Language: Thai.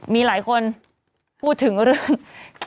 มีหลายคนพูดถึงเรื่อง